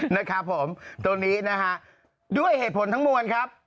นะครับผมตรงนี้นะฮะด้วยเหตุผลทั้งมวลครับ